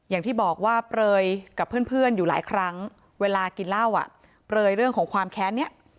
อย่างที่บอกว่าเปลยกับเพื่อนอยู่หลายครั้งเวลากินเหล้าอ่ะเปลยเรื่องของความแค้นเนี่ย